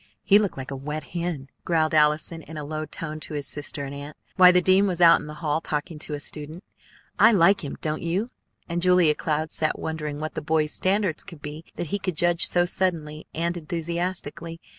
He looked like a wet hen!" growled Allison in a low tone to his sister and aunt, while the dean was out in the hall talking to a student. "I like him, don't you?" and Julia Cloud sat wondering what the boy's standards could be that he could judge so suddenly and enthusiastically.